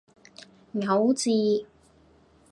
牛治